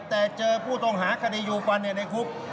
แต่เจอผู้ต้องหาคดียูฟันในคุก